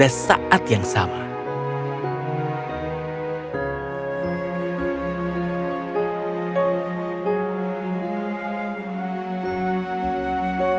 dan bagaimana menjadi baik